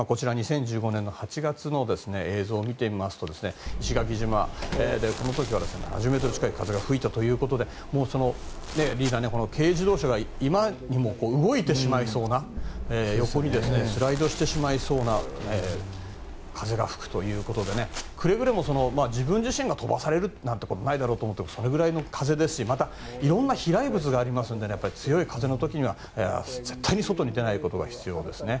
２０１５年８月の映像を見てみますと石垣島、この時は８０メートル近い風が吹いたということでリーダー、軽自動車が今にも動いてしまいそうな横にスライドしてしまいそうな風が吹くということでくれぐれも自分自身が飛ばされることはないだろうと思うけどそのぐらいの風ですしまた、いろんな飛来物がありますので強い風の時には絶対に外に出ないことが必要ですね。